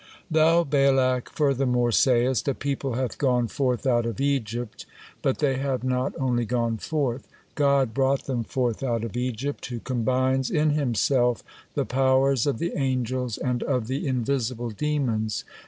"Thou, Balak, furthermore sayest, 'A people hath gone forth out of Egypt,' but they have not only gone forth, 'God brought them forth out of Egypt,' who combines in Himself the powers of the angels and of the invisible demons.